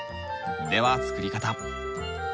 では作り方。